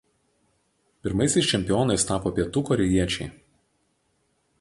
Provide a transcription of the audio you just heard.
Pirmaisiais čempionais tapo pietų korėjiečiai.